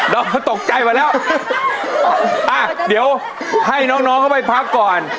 ดอกตกใจมาแล้วอ่ะเดี๋ยวให้น้องเข้าไปพักก่อน